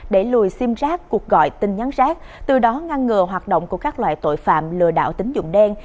để lùi sim rác cuộc gọi tin nhắn rác từ đó ngăn ngừa hoạt động của các loại tội phạm lừa đảo tính dụng đen